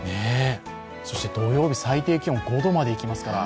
そして土曜日、最低気温５度まで行きますから。